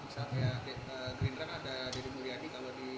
misalnya gerindra kan ada deddy mulyadi kalau di